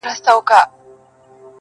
قلندر چي د خداى دوست وو بختور وو؛